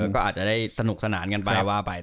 ก็อาจจะได้สนุกสนานกันไปว่าไป